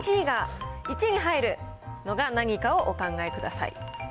１位に入るのが、何かをお考えください。